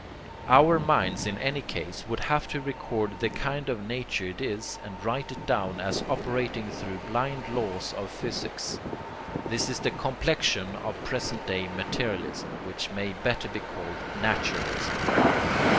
Our minds in any case would have to record the kind of nature it is, and write it down as operating through blind laws of physics. This is the complexion of present day materialism, which may better be called naturalism.